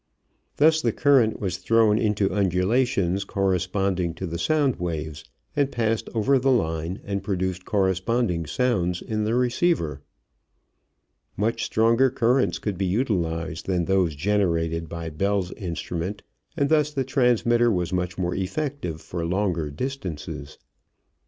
Thus the current was thrown into undulations corresponding to the sound waves, and passed over the line and produced corresponding sounds in the receiver. Much stronger currents could be utilized than those generated by Bell's instrument, and thus the transmitter was much more effective for longer distances.